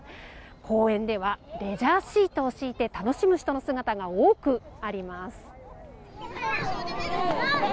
公園ではレジャーシートを敷いて楽しむ人の姿が多くあります。